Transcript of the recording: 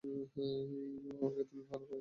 ইউহাওয়াকে তুমি ভাল করেই চেন।